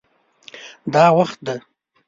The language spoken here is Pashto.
دا وخت دی